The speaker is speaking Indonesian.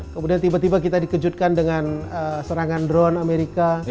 kemudian tiba tiba kita dikejutkan dengan serangan drone amerika